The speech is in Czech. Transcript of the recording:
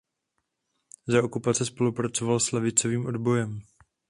Za okupace spolupracoval s levicovým odbojem.